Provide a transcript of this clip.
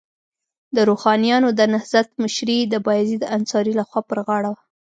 د روښانیانو د نهضت مشري د بایزید انصاري لخوا پر غاړه وه.